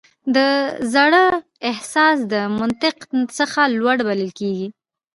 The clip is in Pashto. د زړه احساس د منطق څخه لوړ بلل کېږي.